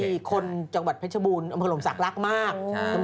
นุโรธี่คุณจังหวัดพัชญาบูชน์อาหารพล้อมศักดิ์รักมาก